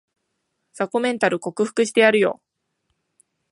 雑魚メンタル克服してやるよ